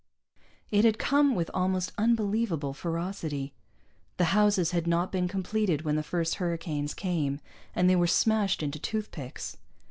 It had come with almost unbelievable ferocity. The houses had not been completed when the first hurricanes came, and they were smashed into toothpicks.